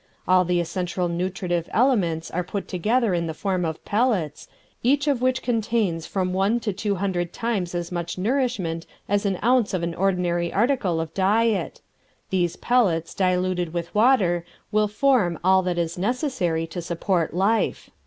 All the essential nutritive elements are put together in the form of pellets, each of which contains from one to two hundred times as much nourishment as an ounce of an ordinary article of diet. These pellets, diluted with water, will form all that is necessary to support life.